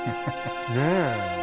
ねえ。